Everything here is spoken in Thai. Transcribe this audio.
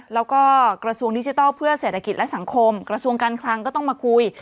แล้วก็กระทรวงดิจิทัลเพื่อเศรษฐกิจและสังคมกระทรวงการคลังก็ต้องมาคุย